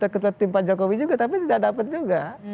ketua tim pak jokowi juga tapi tidak dapat juga